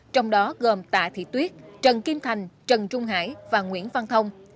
trong đó gồm tạ thị tuyết trần kim thành trần trung hải và nguyễn văn thông